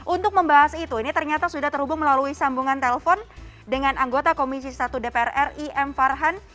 untuk membahas itu ini ternyata sudah terhubung melalui sambungan telpon dengan anggota komisi satu dpr ri m farhan